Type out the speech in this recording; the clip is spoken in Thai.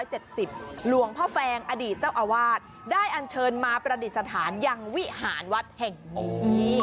หลวงพ่อแฟงอดีตเจ้าอาวาสได้อันเชิญมาประดิษฐานยังวิหารวัดแห่งนี้